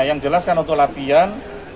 yang jelaskan untuk latihan